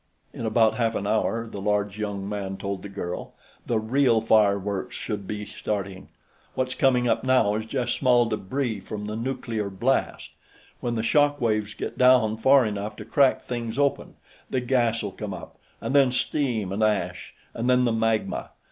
"In about half an hour," the large young man told the girl, "the real fireworks should be starting. What's coming up now is just small debris from the nuclear blast. When the shockwaves get down far enough to crack things open, the gas'll come up, and then steam and ash, and then the magma.